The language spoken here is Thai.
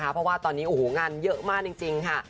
เพราะว่าตอนนี้โอ้โหงานเยอะมากจริงค่ะ